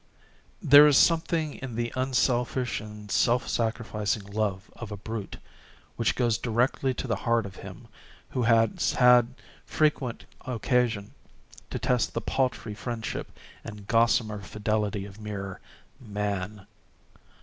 There is something in the unselfish and self sacrificing love of a brute, which goes directly to the heart of him who has had frequent occasion to test the paltry friendship and gossamer fidelity of mere Man.